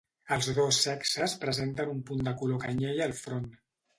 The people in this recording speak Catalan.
Els dos sexes presenten un punt de color canyella al front.